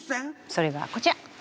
それがこちら。